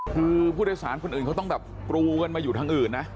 คือผู้โดยสารคนอื่นเขาต้องแบบกรูกันมาอยู่ทางอื่นนะ